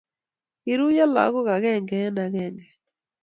Koruiyo lagok agenge eng agenge.